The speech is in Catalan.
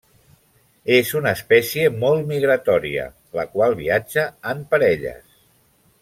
És una espècie molt migratòria, la qual viatja en parelles.